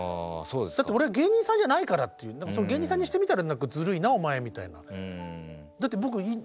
だって「俺芸人さんじゃないから」っていう芸人さんにしてみたら「ずるいなお前」みたいな。